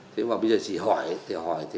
thế mà bây giờ chỉ hỏi thì hỏi